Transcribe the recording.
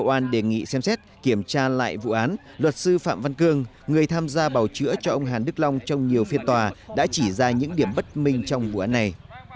bộ công an đề nghị xem xét kiểm tra lại vụ án luật sư phạm văn cương người tham gia bào chữa cho ông hàn đức long trong nhiều phiên tòa đã chỉ ra những điểm bất minh trong vụ án này